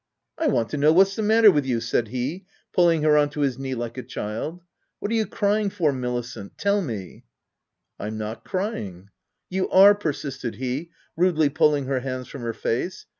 "I want to know what's the matter with you," said he, pulling her on to his knee like a child. " What are you crying for Milicent ? —Tell me!" " I'm not crying." " You are," persisted he, rudely pulling her hands from her face.